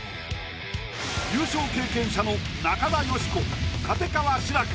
優勝経験者の中田喜子立川志らく